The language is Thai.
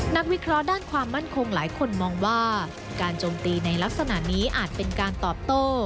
นักวิเคราะห์ด้านความมั่นคงหลายคนมองว่าการโจมตีในลักษณะนี้อาจเป็นการตอบโต้